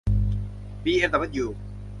บีเอ็มดับเบิลยู